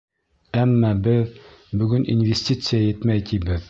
Әммә беҙ бөгөн инвестиция етмәй тибеҙ.